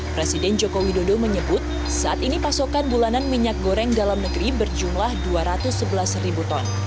presiden joko widodo menyebut saat ini pasokan bulanan minyak goreng dalam negeri berjumlah dua ratus sebelas ribu ton